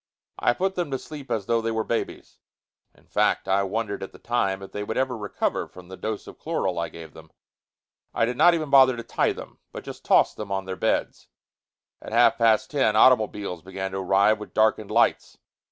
I put them to sleep as though they were babies. In fact, I wondered at the time if they would ever recover from the dose of chloral I gave them. I did not even bother to tie them, but just tossed them on their beds. At half past ten, automobiles began to arrive with darkened lights.